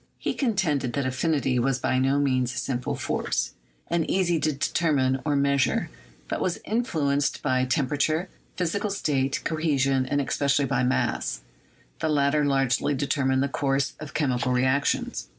He contended that affinity was by no means a simple force, and easy to determine or measure; but was influ enced by temperature, physical state, cohesion, and espe cially by mass. The latter largely determined the course of chemical reactions.